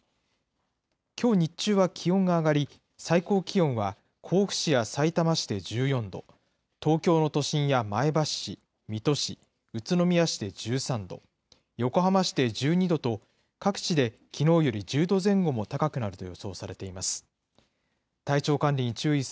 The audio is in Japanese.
きょう日中は気温が上がり、最高気温は甲府市やさいたま市で１４度、東京の都心や前橋市、水戸市、宇都宮市で１３度、横浜市で１２度と、各地できのうより１０度前後も高くなると予想されています。